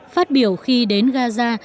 phát biểu khi đến gaza